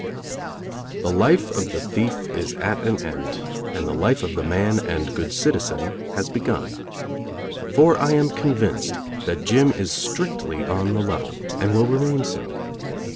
The life of the thief is at an end; and the life of the man and good citizen has begun. For I am convinced that Jim is strictly on the level, and will remain so.